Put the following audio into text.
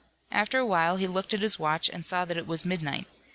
After a while, he looked at his watch and saw that it was midnight.